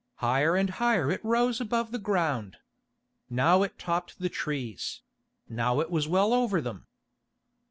Higher and higher it rose above the ground. Now it topped the trees; now it was well over them.